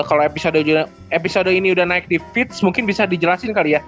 kalau episode ini udah naik di fits mungkin bisa dijelasin kali ya